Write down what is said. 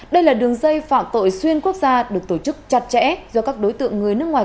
đây là đường dây phạm tội xuyên quốc gia được tổ chức chặt chẽ do các đối tượng người nước ngoài